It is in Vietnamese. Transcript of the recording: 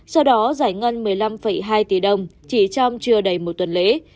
sau đó giải ngân một mươi năm hai tỷ đồng chỉ trong chưa đầy một tuần lễ